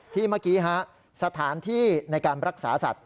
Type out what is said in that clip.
เมื่อกี้ฮะสถานที่ในการรักษาสัตว